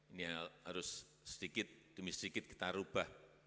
ini harus sedikit demi sedikit kita ubah